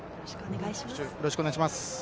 よろしくお願いします。